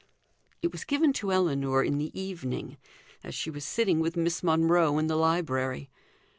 It was given to Ellinor in the evening, as she was sitting with Miss Monro in the library.